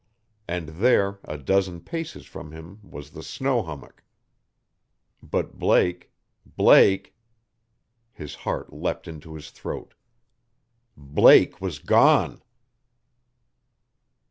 And there, a dozen paces from him was the snow hummock. But Blake Blake His heart leapt into his throat. BLAKE WAS GONE!